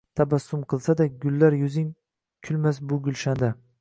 Tabassum qilsada gullar yuzing kulmas bu gulshanda